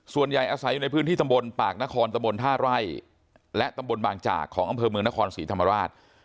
อาศัยอยู่ในพื้นที่ตำบลปากนครตะบนท่าไร่และตำบลบางจากของอำเภอเมืองนครศรีธรรมราช